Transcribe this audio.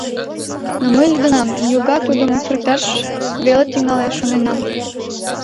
Но мый лӱдынам, ньога тудым сырыкташ веле тӱҥалеш, шоненам.